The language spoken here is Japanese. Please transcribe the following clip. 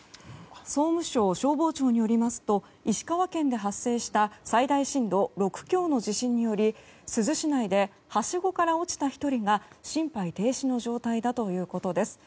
総務省消防庁によりますと石川県で発生した最大震度６強の地震により珠洲市内ではしごから落ちた１人が心肺停止の状態ということです。